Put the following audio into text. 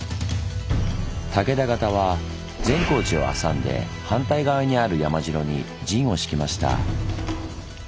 武田方は善光寺をはさんで反対側にある山城に陣を敷きました。